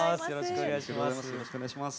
よろしくお願いします。